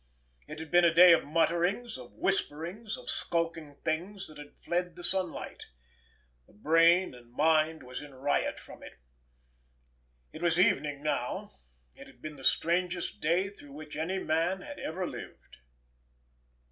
It had been a day of mutterings, of whisperings, of skulking things that had fled the sunlight. The brain and mind was in riot from it. It was evening now; it had been the strangest day through which any man had ever lived.